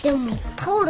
タオル？